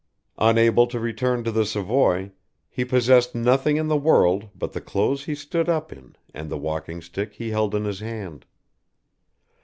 Unable to return to the Savoy, he possessed nothing in the world but the clothes he stood up in and the walking stick he held in his hand.